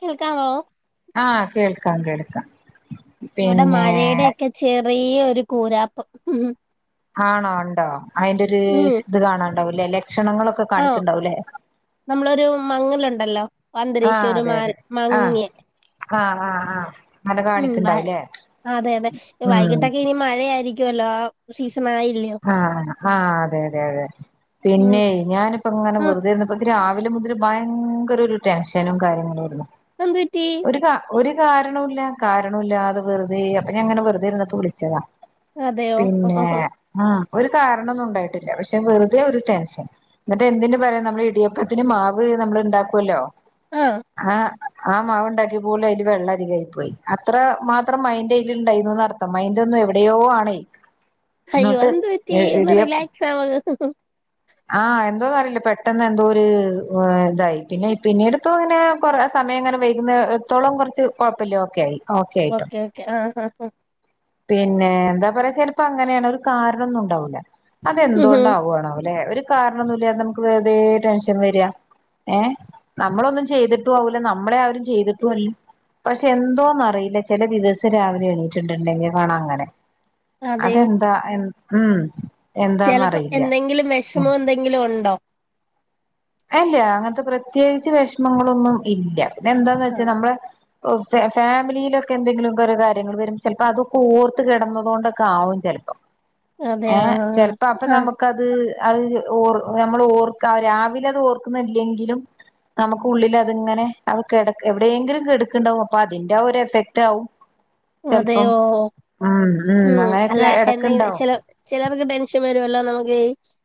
കേൾക്കാമോ ആഹ കേൾക്കാം കേൾക്കാം ഇവിടെ പിന്നെ മഴെടെക്കെ ചെറി- യരു കൂരാപ്പം ആണോ ഉണ്ടോ അയ്ന്റൊര് ഇത് കാണാണ് ണ്ടാവുലല്ലേ ആ നമ്മളൊരു മങ്ങലുണ്ടല്ലോ ആഹ് അന്തരീശയുടെ അതെ മാൽ അതെ ആഹ് മങ്ങ്യ ആഹ് അ അ അ ഉം അതെ അതെ ഉം വൈകീട്ടൊക്കെ ഇനി മഴ ആയിരി ക്കും എല്ലാം സീസ്- ആഹ ആ് അതെ അതെ അതെ ഉം പിന്നെ ഞാനിപ്പോ ഇങ്ങനെ ആഹ് വെറുതെ ഇർന്നപ്പോൻ ക്കൊരാ രാവിലെ മുതൽ ഭയങ്കര ഒരു ടെൻഷനും കാര്യങ്ങളായ്ര്ന്നു എന്ത് പറ്റി കാരണൂല്ല കാരണൂല്ലാതെ വെർതെ അപ്പൊ ഞാൻങ്ങനെ വെറുതെ ഇരന്നപ്പോ വിളിച്ചതാ അതെയോ പിന്നെ ആ ഒരു കാരണൊന്നും ഉണ്ടായിട്ടില്ല പക്ഷെ വെറുതെ ഒരു ടെൻഷൻ എന്നിട്ട് എന്തിന് പറയാം നമ്മള് ഇടിയപ്പത്തിന് മാവ് നമ്മള് ഇണ്ടാക്കുവല്ലോ ആഹ് ആ ആ മാവ് ഉണ്ടാക്കി പോലും അയ്ല് വെള്ളം അധികായി പോയി അത്ര മാത്രം മൈൻറ അയ്ല് ഇണ്ടായിന്ന് അർത്ഥം മൈന്റൊന്നും എവിടെയോ ആണെയ് അയ്യോ അതെന്ത് പറ്റി ഒന്ന് റിലാക്സ് ആവ് ആ എന്തോന്നും അറിയില്ല പെട്ടെന്ന് എന്തോ ഒരു ഇതായി പിന്നെ പിന്നീടിപ്പോ ഇങ്ങനെ കൊറ സമയം ഇങ്ങനെ വൈകുന്നടത്തോളം കൊറച്ച് കൊഴപ്പല്ല ഒക്കെ ആയി ഓക്കെ ഓക്കെ ആ ആ പിന്നെ എന്താ പറയാ ചെലപ്പൊ അങ്ങനാണ് ഒരു കാരണോന്നും ഉണ്ടാവൂല ഉം ഉം. അതെന്തുകൊണ്ടാവാണോവോലേ ഒരു കാരണന്നുല്ലാതെ നമുക്ക് വെറതേ ടെൻഷൻ വര ഏ നമ്മളൊന്നും ചെയ്തിട്ടും ആവൂല നമ്മളെ ആരും ചെയ്തിട്ടും അല്ല പക്ഷെ എന്തോന്ന് അറിയില്ല ചെല ദിവസം രാവിലെ എണീറ്റ്ണ്ടെങ്കി കാണാം അങ്ങനെ അതെയോ അതെന്താ എ ഉം ചെലപ്പോ എന്താന്നറിയില്ല എന്തെങ്കിലും വെഷമോ എന്തെങ്കിലും ഒണ്ടോ അല്ല അങ്ങനത്തെ പ്രത്യേകിച്ച് വെഷമങ്ങളൊന്നും ഇല്ല പിന്നെ എന്താന്ന് വെച്ചാ ആഹ് നമ്മള് ഓ ഫാ ഫാമിലിയിലൊക്കെ എന്തെങ്കിലൊക്കൊരു കാര്യങ്ങൾ വരും ചെലപ്പോ അതൊക്കെ ഓർത്ത് കെടന്നതൊണ്ടൊക്ക ആവും ചെലപ്പോ അതെ ഏ ആഹ് ചെലപ്പോ അപ്പൊ ആഹ് നമുക്കത് അത് ഓർ ഞമ്മള് ഓർക്ക രാവിലെ തോർക്കുന്നില്ലെങ്കിലും നമുക്ക് ഉുള്ളിൽ അതിങ്ങനെ അത് കെട എവിടെയെങ്കിലും കെടക്ക്ണ്ടാകും അപ്പൊ അതിന്റെ ഒരു എഫക്റ്റ് ആകും അതെയോ ഉം അല്ല അങ്ങനെയൊക്കെ എന്തെങ്ക് എടക്കുണ്ടാവും ചെല ചെലർക്ക് ടെൻഷൻ വരുവല്ലോ നമു [unintelligible]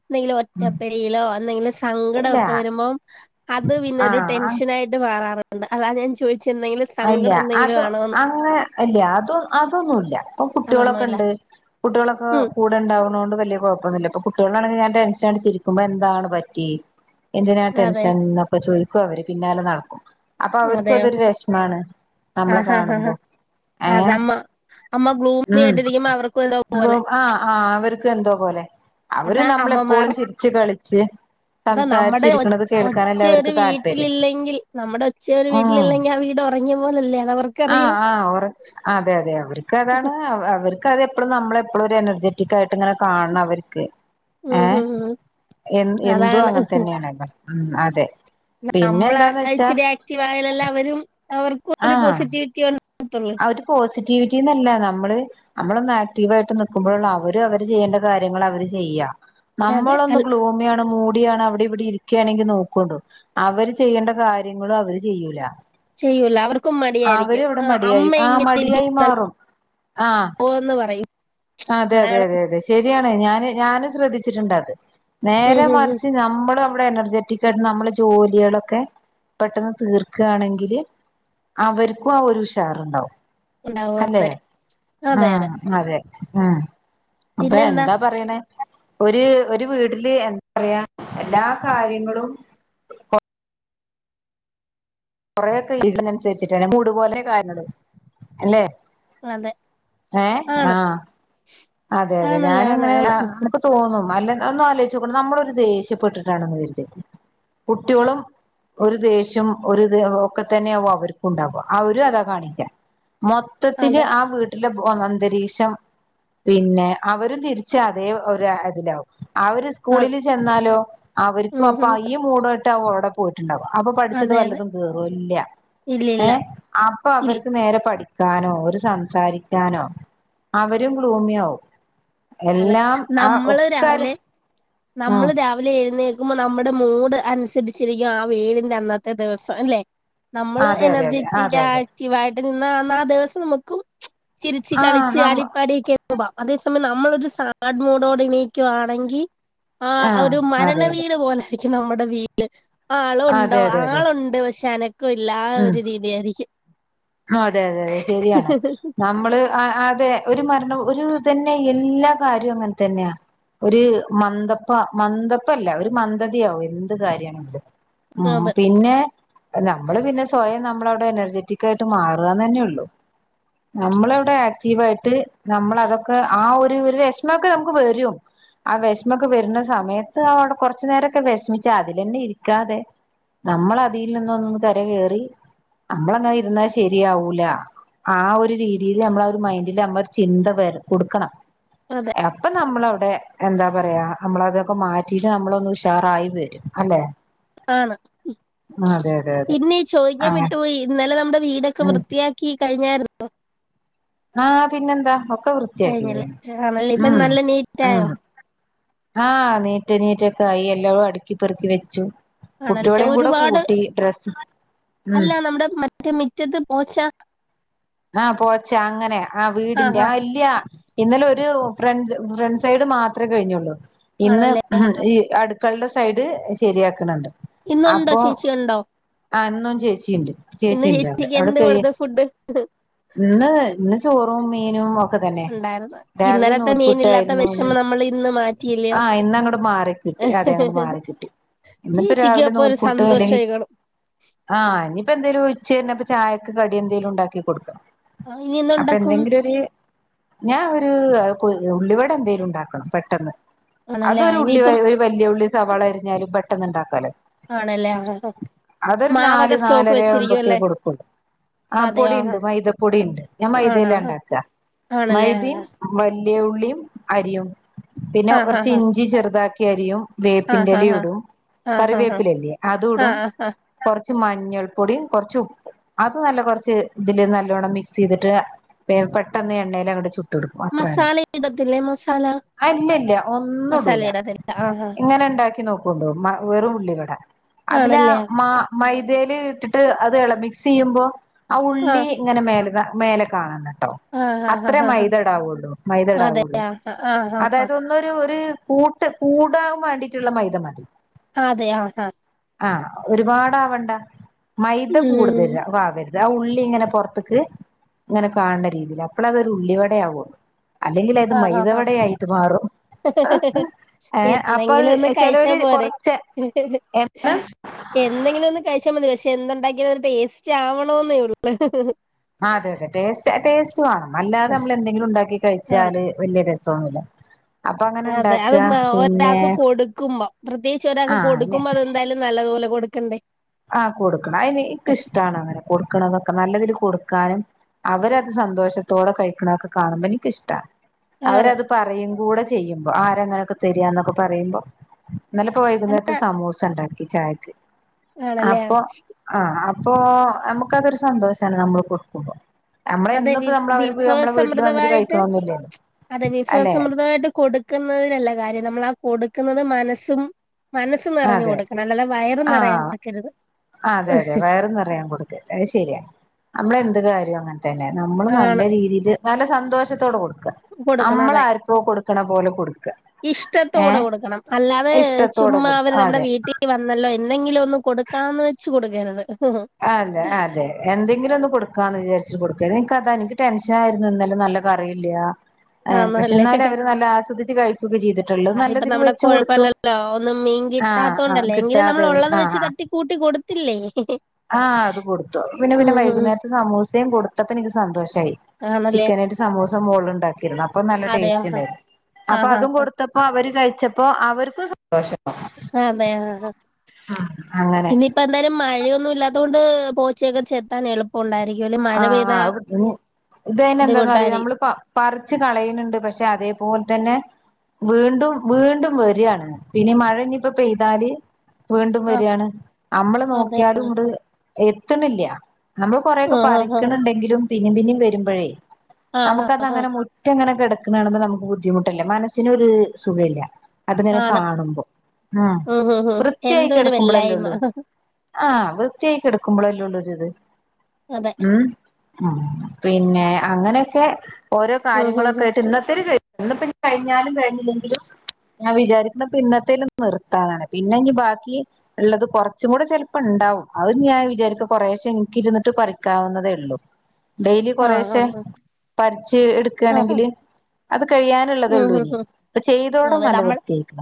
എന്തെങ്കിലും ഒറ്റപ്പെടയിലോ അന്തെങ്കിലും ഇല്ല സങ്കടൊക്കെ വരുമ്പോം അത് പിന്നൊരു ആ ടെൻഷൻ ആയിട്ട് മാറാറു ഉണ്ട് അത ഞാൻ ചോദി അല്ല അത് അങ്ങനെ അല്ല അത് അതൊന്നുംല്ല ഇപ്പൊ കുട്ടികളൊക്കെ അതൊന്നുമില്ല ഇണ്ട് കുട്ടികളൊക്കെ ഉം കൂടെണ്ടാവണോണ്ട് വല്യ കൊഴപ്പൊന്നുല്ല ഇപ്പ കു [unintelligible] ഞാൻ ടെഷൻ ചിരിക്കുമ്പോ എന്താണ് പറ്റി എന്തിനാ അതെ ടെൻഷൻ എന്നൊക്കെ ചോദി നടക്കുംഅവര് പിന്നാലെ നടക്കും അപ്പൊ അവർക്ക അതെയോ അതൊരു വിഷം നമ്മള ആഹ് ആഹ് കാണുമ്പോ ആഹ് ഹേ അതമ്മ അമ്മ ഗ്ലൂമി ഉം ആയിട്ടിരിക്കുമ്പോ അവർക്കും എന്തോ പോലെ ആഹ് ആഹ് അവർക്ക് എന്തോ പോലെ അവര് അതാ നമ്മളെപ്പോഴും അമ്മമാറ് ചിരിച്ച് കളിച്ച് അതാ നമ്മുടെ സംസാരിച്ചിരിക്കണത് ഒച്ച കേൾക്കാനല്ലേ ഒരു അവർക്ക് വീട്ടില താല്പര്യം ഇല്ലെങ്കിൽ നമ്മുടെ ഒച്ച ഒരു ഉം വീട്ടിലല്ലെങ്കി ആ വീട് ഒ പഞ്ഞി പോലല്ലേ ആഹ് അതവർക്കറിയാം ആഹ് ഒറ അതെ അതെ അവര്ക്ക് അതാണ് അവര്ക്ക് അതെ ഇപ്പോും നമ്മള എപ്പോളുംഒരു എനർജെറ്റിായിയി് ഇങ്ങനെ കാണണം അവർക്ക് ഏ ഉം ഉം ഉം എന്തോ അതാണ് അങ്ങനെ തന്നെയാണല്ലോ ഉ അതെ പിന്നെ നമ്മള് എന്താന്ന് വെച്ചാ ഇച്ചിരി ആക്റ്റീവ് ആയാലല്ലേ അവരും അവർക്കും ഒരു പോസിറ്റിവിറ്റി ആണ് അവര് പോസിറ്റിവിറ്റിന്നല്ല നമ്മൾ. നമ്മളൊന്ന് ആക്റ്റീവ ആയിട്ട് നക്കുമ്പോഴള്ള അവര് അവര് ചെയ്യേണ്ട കാര്യങ്ങൾ അവര് ചെയ്യാ. അതെ നമ്മളൊന്ന് അൽ ഗ്ലൂമിയാണ് മൂ എടൊണ് അവിടെ ഇവിടെ ഇരിക്കുകയാണെങ്കി നോക്കണ്ട അവര് ചെയ്യേണ്ട കാര്യങ്ങളും അവര് ചെയ്യൂല ചെയ്യൂല അവർക്കും അവര് മടിയായിരിക്കും ഇവിടെ ആഹ് മടിയായി ആ മടിയായി മാറും ആ ഇരിക്കുന്ന് പറയും അതെ അതെ അതാണ് അതെ അതെ ശെരിയാ ഞാന് ഞൻ ശ്രദ്ധിച്ചിട്ടുണ്ട് അത് ഉം നേരെ ഉം ഉം മറിച്ച് നമ്മളും മ്മടെ എനർജെറ്റിക് ആയിട്ട് നമ്മളെ ജോലാളൊക്കെ പെട്ടെന്ന് തീർക്കാണെങ്കില് അവർക്കും ആ ഒരു ഉഷാറുണ്ടാവും ഉണ്ടാവും അല്ലേ അതെ ആ അതെ ആ അപ്പോ പിന്നെന്താ എന്താ പറയണേ? ഒരു ഒരു വീട്ടില് എന്താ പറയാ എല്ലാ കാര്യങ്ങളും കുറെയൊക്കെ ഇതിനനുസരിച്ചിട്ടാണ് മൂട് പോലെയാ കാര്യങ്ങള് അല്ലേ? അതെ. ഏഹ് ആണ് ആഹ് അതെ അതെ ആണല്ലോ ഞാനും ആണ് ഇങ്ങനെ ആണ് നമുക്ക് തോന്നും അല്ല ഒന്നു ആലോചിച്ച് നോക്ക് നമ്മളൊരു ദേഷ്യപ്പെട്ടിട്ടാണെന്ന് കരുത് കുട്ടികളും ഒരു ദേഷ്യം ഒരിത് ഒക്കെ തന്നെയാവും അവർക്കും ഇണ്ടാവാ അവരും അതാ കാണിക്കാ. മൊത്തത്തില് അതെ ആ വീട്ട ല്ല പോന്ന അന്തരീക്ഷം പിന്നെ അവരും തിരിച്ച് അതേ ഒരു ഇതിലാവും. അവര് അ- സ്കൂളില് ചെന്നാലോ അവർക്കും ഉം അപ്പൊ ഉം ഈ മൂട് [unintelligible] ട്ടാവും അവിടെ പോയിട്ടുണ്ടാവ. അപ്പൊ പഠിച്ചത് അതെ അതെ വല്ലതും കേറോ ഇല്ല ഇല്ല ഇല്ല ഏഹ് അപ്പൊ ഇല്ല അവർക്ക് നേരെ പഠി ക്കാനോ ഒരു സംസാരിക്കാനോ അവരും [unintelligible] അതെ എല്ലാം ആ നമ്മള് ഒക്കെ രാവിലെ ആ നമ്മള് രാവിലെ എഴുന്നേ ക്കുമ്പോ നമ്മുടെ മൂഡ് അനുസരിച്ചിരിക്കും ആ വീടിന്റെ അന്നത്തെ ദിവസം ല്ലേ? നമ്മള് അതെ അതെ അതെ എനർജെറ്റിക് അതെ അതെ ആക്റ്റീവായിട്ട് നിന്നാ അന്നാ ദിവസം നമുക്ക് ക്കും ചിരിച്ച് ആ കളിച്ച് നമ്മ അടിപ്പാടി കേറിവാ അതെ [unintelligible] നമ്മളൊരു സാഡ് മൂഡോടെ ഇണീക്കുവാണെങ്കിൽ ആ ഒരു മരണ അതെ അതെ വീട് പോലൊയിരിക്കും. ക്കും നമ്മുടെ വീട് ആളുണ്ടോ അതെ അതെ അതെ ആളുണ്ട് പക്ഷേ അന ക്കുല്ലാ ഉം ഒരു രീതിയായിരിക്കും. അതെ അതെ അതെ ശരിയാണ് നമ്മള് ആ ആ ര് ഒരു മറ ഒരു തന്നെ [unintelligible] എല്ലാ കാര്യവും അങ്ങനെ തന്നെയാ ഒരു മന്ദപ്പ മന്ദപ്പല്ല ഒരു മന്ദതിയാവും എന്ത് കാര്യാണെങ്കിലും. ആ അതെ പിന്നെ നമ്മള് പിന്നെ സ്വയം നമ്മളവിടെ എനർജെറ്റിക് കായിട്ട് മാറാ അതന്നെ ഉള്ളൂ നമ്മളവിടെ ആക്റ്റീവ് ആയിട്ട് നമ്മൾ അതൊക്കെ ആ ഒരു ഒരു വിഷമൊക്കെ നമുക്ക് വരും ആ വിഷമൊക്കെ വരുന്ന സമയത്ത് കുറച്ച് നേരൊക്കെ വിഷമിച്ച് അതിൽ തന്നെ ഇരിക്കാതെ നമ്മൾ അതിൽ നിന്ന് ഒന്ന് കരകയറി നമ്മളങ്ങനെ ഇരുന്നാ ശരിയാവൂലാ ആ ഒരു രീതിയില് നമ്മളെ ഒരു മൈൻഡില് നമ്മ ഒരു ചിന്ത വര കൊടുക്കണം. അതെ അപ്പൊ നമ്മളവിടെ എന്താ പറയാ നമ്മള അതൊക്കെ മാറ്റിട്ട് നമ്മളൊന്ന് ഉഷാറായി വരും അല്ലെ? ആണ് അതെ അതെ അതെ പിന്നേചോയിക്കാൻ അങ്ങനെ വിട്ടുപോയി ഇന്നലെ നമ്മുടെ വീടൊക്കെ ഉം വൃത്തിയാക്കി കഴിഞ്ഞായിരുന്നോ? ആ പിന്നെന്താ ഒ കഴിഞ്ഞല്ലേ ആ നല്ല ഇപ്പ നല്ല നീറ്റ ആയോ? ആനീറ്റ് നീറ്റൊക്കെ ആയി എല്ലാവും അടുക്കി പെറുക്കി വെച്ചു. ആണല്ലേ കുട്ടികളെയും കൂടെ ഒരുപാട് കൂട്ടി ഡ്രസ്സ് ഉം അല്ല നമ്മുടെ മറ്റേ മിറ്റത്ത് പോച്ച ആ പോച്ച അങ്ങനെ ആ വീടിന്റെ ആ ഇല്ല്യ ഇന്നലെ ഒരു രു ഫ്രൺ ഫ്രണ്ട് സൈഡ് മാത്ര കഴിഞ്ഞുള്ളൂ. ഇന്ന് ആണല്ലേ മ് ആഹാ. ഇ അടു ക്കളുടെ സൈഡ് ശരിയാക്കണുണ്ട് ഇന്നുണ്ടോ ചേച്ചി ഉണ്ടോ ആ ഇന്നും ചേച്ചിണ്ട് ചേച്ചിണ്ട് അവിടെ ചേച്ചിക്ക് അവിടെ എന്ത് കഴി കൊടുത്ത് ഫുഡ്? ഇന്ന് ഇന്ന് ചോറും മീനും തന്നെ ഉണ്ടായിരുന്നു രാവിലെ ഇന്നലത്തെ മീനില്ലാത്ത നൂൽപുട്ടായിരുന്നു വിഷമം നമ്മൾ ഇന്ന് മാറ്റിയില്ലയോ ആ ഇന്ന് അങ്ങട്ട് മാറിക്കിട്ടി അതെ അങ്ങട്ട് മാറിക്കിട്ടി ഇന്നിപ്പോ ചേച്ചിക്ക് രാവിലെ അപ്പൊ ഒരു നൂൽപുട്ട് അല്ലെങ്കിൽ സന്തോഷമായിക്കണം ആ ഇനിപ്പോ എന്തേലും ഉച്ചകഴിഞ്ഞപ്പോ ചായക്ക് കടി എന്തെലും ഉണ്ടാക്കി കൊടുക്കും ഇനി എന്താ ഉണ്ടാക്കും? ഞാൻ ഒരു ഉള്ളിവട എന്തെലും ഉണ്ടാക്കണം പെട്ടെന്ന് ആണല്ലേ ആ, അതൊരു ഉള്ളി ഇനിയിപ്പം ഒരു വലിയ ഉള്ളി സവാള അരിഞ്ഞാല് പെട്ടന്ന് ഉണ്ടാക്കാല്ലോ ആണല്ലേ ആ, ആ. അതൊരു നാല് മാവൊക്കെ സ്റ്റോക്ക് നാലര വെച്ചിരിക്കും ആവുമ്പൊക്കെ അല്ലേ കൊടുക്കുള്ളൂ ആ അതെയോ ആ. പൊടിയുണ്ട് മൈ പൊടി ഉണ്ട് ഞാൻ മൈദയിൽ ആ ഉണ്ടാക്ക ആണല്ലേ മൈദിം ആ, വല്യ ഉള്ളിം അരിയും പിന്നെ ആ, ആ, കുറച്ച് ആ, ഇഞ്ചി ചെറു താക്കി അരിയും ആ, വേപ്പിന്റെ ആ, ആ, ആ, എല ഇടും ആ, ആ, കറിവേപ്പിലല്ലേ ആ, അതുടും ആ, ആ. കുറച്ച് കുറച്ച് മഞ്ഞൾ പൊടികുറച്ച് ഉപ്പും അത് നല്ല കുറച്ച് ഇതില് നല്ലോണ്ണം മിക്സ്ചെയ്തിട്ട് പെട്ടന്ന് എണ്ണയിൽ ങ്ങട്ട് ചു ട്ടെടുക്കും അത്ര തന്നെ മസാല ഇടത്തില്ലേ മസാല ഇല്ല ല്ല ഒന്നും മസാല ഇടൂല ഇടത്തില്ല ആഹാ ഇങ്ങനെ ഉണ്ടാക്കി നോകോണ്ടു വെറും ഉുള്ളി വട അതില് ആണല്ലേ മ മൈദല് ഇട്ടിട്ട് അത് ഇളമിക് ചെയ്യുമ്പോ ആ ഉള്ളി ആഹ് ഇങ്ങനെ മേലെ കാണ മേലെ കാണണ്ട ആഹ് ആഹ് അത്രേ ആഹ് ആഹ് മൈദടാവുള്ളൂ അതെ മൈദടാവുള്ളു ആഹ് ആഹ് ആഹ് അതായത് ഒന്നരു ഒരു കൂട്ട് കൂടാൻ വാണ്ടിയിട്ട്ള്ള മൈദ മതി അതെ ആ ആ ആ ഒരുപാടാവണ്ട മൈദ ഉം കൂടുതല് വാവര്ത് അതാ ഉള്ളി ഇങ്ങനെ പൊർ ക്ക് ഇങ്ങനെ കാണ്‌ണ രീതിയില് അപ്പള അതൊരു ഉള്ളിവടയാവൊള്ളു അല്ലെങ്കില് അത് ആഹ് ആഹ് ആഹ് മൈദവടയായിട്ട് മാറും ഏ അപ്പൊ അത് എന്തെങ്കിലും ഒന്ന് കഴിച്ചാ ചെലോര് പോരെ കൊറച്ച് എന്ത് എന്തെങ്കിലും ഒന്ന് കഴിച്ചാ മതി പക്ഷെ എന്തുണ്ടാക്കിയ ഒരു ടേസ്റ്റ് ആവണോന്നേ ഒള്ളൂ ആ അതെ അതെ ടേസ്റ്റ് ടേസ്റ്റ് റ്റ് വാണം അല്ലാതെ നമ്മള് എന്തെങ്കിലും ഉണ്ടാക്കി ആണ് കഴിച്ചാല് വലിയ രസ സൊന്നില്ല അതെ അത് ഒരാക്ക് കൊടുക്കുമ്പോ പ്രത്യേകിച്ച് ആ ഒരാക്ക് അനെ കൊടുക്കുമ്പ അതെന്തായാലും നല്ലതുപോലെ കൊട് ക്കണ്ടേ ആ കൊടുക്കണം അയിന് ഇക്ക് ഇഷ്ടാണ് അങ്ങനെ കൊടുക്കണതൊക്കെ നല്ലതില് കൊട് ക്കാനും അവരത് സന്തോഷത്തോടെ കഴിക്ക്ണതൊക്കെ കാണുമ്പോ ഇനിക്കിഷ്ടാ ആണ് അവരത് പറയും കൂടെ ചെ ചെയ്യുമ്പോ ആരെങ്ങനെയൊക്കെ തെരാന്നൊക്കെ പറയുമ്പം ഇന്നലെ ഇപ്പോ വൈകുന്നേരത്ത് സമൂസ ണ്ടാക്കി ചായക്ക് ആണല്ലേ അപ്പൊ ആ അ അപ്പൊ നമുക്കതൊരു സന്തോഷാണ് നമ്മള് കൊടുക്കുമ്പോ നമ്മള അതെ വി ഇന്നിപ്പോ നമ്മള അവര് നമ്മളെ വീട്ടിൽ വന്നിട്ട് വിഭവസമൃദ്ധമായിട്ട് കഴിക്കണൊന്നുമില്ലല്ലോ അതെ അല്ലെ വിഭവസമൃദ്ധമായിട്ട് കൊടുക്കുന്നതിനല്ല കാര്യം നമ്മൾ ആ കൊടുക്കുന്നത് മനസ്സും മനസ്സ് നിറഞ്ഞു അതെ കൊടുക്കണം അല്ലാതെ വയറ് ആ നിറയാൻ കൊടുക്കരുത് അതെ അതെ വയറ് നെറയാൻ കൊടുക്കര്ത് അത് ശരിയാ നമ്മളെ എന്ത് കാര്യ ര്യോം അങ്ങനെ തെന്നെ നമ്മള് നല്ല ആണ് രീതിയില് നല്ല സന്തോഷത്തോട് കൊട് കൊടുക്കണം അതെ പോലെ കൊടുക്കുക ഇഷ്ടത്തോടെ ഏഹ് കൊടുക്കണം അല്ലാതെ ഇഷ്ടത്തോടെ ചുമ്മാ കൊടുക്കുക അവരു നമ്മ നമ്മുടെ അതെ വീട്ടി വന്നല്ലോ എന്ന് എന്തെങ്കിലും ഒന്ന് കൊടുക്കാന്ന് വെച്ച് കൊടുക്കര്ത് അതെ അതെ എന്തെങ്കിലും ഒന്ന് കൊടുക്കാന്ന് വിചാരിച്ച് കൊട് ക്കര്ത് ഇനിക്കതാണ് ഇനിക്ക് ടെൻഷൻ ആയിരുന്നു ഇന്നലെ നല്ല കറിയില്ല ഏഹ് പക്ഷെ ആന്നല്ലേ എന്നാലും അവര് നല്ല ആസ്വദിച്ച് കഴിക്കുകയൊക്കെ ചെയ്തിട്ടുള്ളൂ അതിപ്പ നല്ലതില് നമ്മടെ വെച്ച് കൊടുത്തു കൊഴപ്പല്ലല്ലോ ഒന്നും മീങ്കി ആഹ് ആഹ് കിട്ടാത്തോണ്ടല്ലേ എങ്ങിനനെ നമ്മൾ കിട്ടാതെ ഉള്ളത് വെച്ച് ആഹ് തട്ടി കൂട്ടി കൊടുത്തില്ലേ ആഹ് അത് കൊടുത്തു പിന്നെ പിന്നെ ഉം ഉം വൈകുന്നേര സമൂസയും കൊടുത്തപ്പ എനിക്ക് സന്തോഷം യി ആണല്ലേ ചിക്കനേട്സമൂസ മോള്ണ്ടാക്കിരുന്നു അപ്പൊ നല്ല അതെയോ ടേസ്റ്റ് ഉണ്ടായിരുന്നു ആ അപ്പൊ ആ ആ അതും കൊടുത്തപ്പോ അവര് കഴി ച്ചപ്പോ അവർക്കും സ ആതെ ആ ആ ഇനിയിപ്പ എന്തായാലും മയൊ ന്നുല്ലാതുകൊണ്ട് പോച്ചേക്കച്ച എത്താൻ എളുപ്പം ഉണ്ടായിരിക്കും ആ ഇതയ്ന് എന്താന്ന അറിയോ ബുദ്ധിമുട്ടായിരിക്കും നമ്മള് പറച്ച് കളയ്ണ് ണ്ട് പക്ഷെ അതേപോൽ തന്നെ വീണ്ടും വീണ്ടും വരാണ് പിന്നെ മഴ ഇനിപ്പോ പെയ്താല് വീണ്ടും ആ വരാണ് നമ്മള് അതെ നോക്കിയാലും ഇടെ ത്ത് ണില്ലാ നമ്മ ആഹ് ആഹ് പറിക്ക്ണണ്ടെങ്കിലും പിന്നും പിന്നും വരുമ്പോഴേ ആഹ് ആഹ് ആഹ് നമുക്കതങ്ങനെ മുറ്റങ്ങനെ ക്ക്ണെ കാണുമ്പോ നമുക്ക് ബുദ്ധിമുട്ടല്ല മനസ്സിനൊ ഒരു സുഖ ഇല്ല അതിങ്ങനെ ആണ് കാണുമ്പോ ഉം ഹും ഹും വൃത്തിയായിക്ക എന്തൊരു വെല്ലായ്മ എടുക്കുമ്പോളല്ലേള്ളു ആ വൃത്തിയായിക്ക എടുക്കുമ്പോളല്ലേ ഉള്ളു തത് അതെ ഉം പിന്നെ അങ്ങനെയൊക്കെ ഓരോ ഉം ഹും ഹും കാര്യങ്ങളൊക്കെയിട്ട് ഇന്നത്തേൽ ക ഇ കഴിഞ്ഞാലും കഴിഞ്ഞില്ലെങ്കിലും ഞാൻ വിചാരിക്കുന്നപ്പ ഇന്നത്തേൽന്നും നിർത്താതാണ് പിന്നെ ഇനി ബാക്കി ഉള്ളത് കുറച്ചും കൂടെ ചിലപ്പോ ഉണ്ടാവും അഹ് ഞാൻ വിചാരിക്ക കുറേശം എനിക്കിരുന്നിട്ട് പറ ക്കാവുന്നതേ ഉള്ളൂ ഡെയിലി ആഹ് കൊറേശെ ആഹ് പരിച്ച് ആഹ് ആഹ് എടുക്കയാണെങ്കില് ഉം കഴിയാനുള്ളതള്ളൂ ഹും ഇനി അപ്പൊ ചെയ്തോട ഹും അതെ നല്ല നമ്മൾ വൃത്തിയക്ക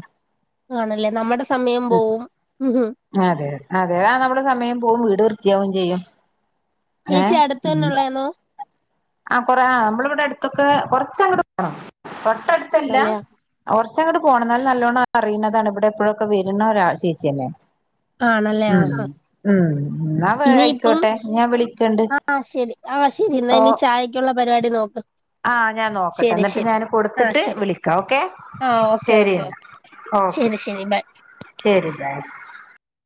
ആണല്ലേ നമ്മുടെ സമയം പോവും ഉം ഹും അതെതെ അതെ ആ നമ്മുടെ സമയം പോകും വീട് വൃ നിത്യാവും ചെയ്യും ഏ ചേച്ചി അടുത്ത ഉം തന്നെള്ളെന്നോ ആ കൊറ ആ നമ്മളിവിടെ അടുത്തൊക്കെ കൊറച്ചങ്ങട് പോണം തൊട്ടടുത്തല്ല ആണല്ലേ ച്ച അങ്ങട് പോണം എന്നാലും നല്ലോണം അറിയുന്നതാണ് ഇവിടെ എപ്പോഴൊക്കെ വരുന്നരാ ചേച്ചിന്നെ ആണല്ലേ ഉ ആഹ് ആഹ് ഉ ആ ഇനിയിപ്പം ആയിക്കോട്ടെ ഞാൻ വിളിക്കണ്ട് ആഹ് ശരി ആഹ് ശരി എന്നാ ഇനി ചായക്കുള്ള പരിപാടി നോക്ക് ആ ഞാൻ നോക്കട്ടെ ശരി എന്നിട്ട് ശരി ഞാൻ ആഹ് കൊടുത്തിട്ട് ശരി വിളിക്കാം ഓക്കെ ആഹ് ഓക്കെ ശരി ഓക്കെ എന്ന ഓക്കെ എന്നാ ഓക്കെ ശരി ശരി ബൈ ശരിാ